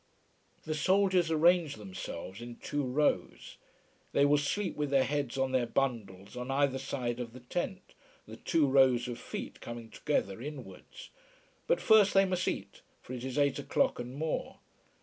The soldiers arrange themselves in two rows. They will sleep with their heads on their bundles on either side of the tent, the two rows of feet coming together inwards. But first they must eat, for it is eight o'clock and more.